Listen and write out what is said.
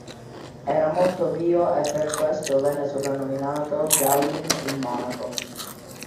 Era molto pio e per questo venne soprannominato "Gaudin il monaco".